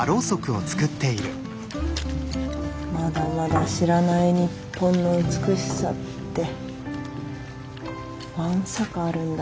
まだまだ知らない日本の美しさってわんさかあるんだろうな。